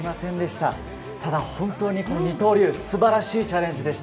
ただ、本当に二刀流、素晴らしいチャレンジでした。